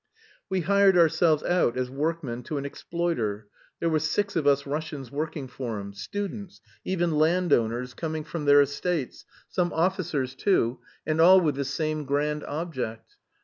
"We hired ourselves out as workmen to an exploiter; there were six of us Russians working for him students, even landowners coming from their estates, some officers, too, and all with the same grand object.